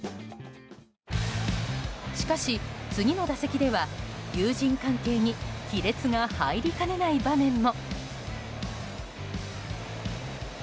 しかし、次の打席では友人関係に亀裂が入りかねない場面も。